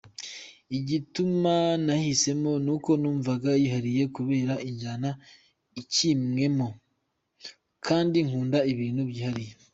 Igituma nayihisemo nuko numvaga yihariye kubera injyana ikinwemo, kandi nkunda ibintu byihariye.